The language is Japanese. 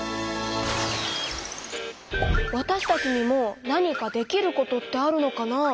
わたしたちにも何かできることってあるのかな？